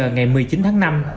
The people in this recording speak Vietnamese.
ngày một mươi chín tháng năm